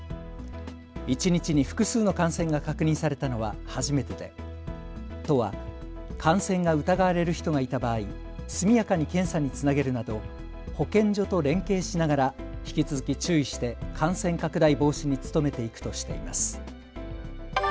一日に複数の感染が確認されたのは初めてで都は感染が疑われる人がいた場合、速やかに検査につなげるなど保健所と連携しながら引き続き注意して感染拡大防止に努めていくとしています。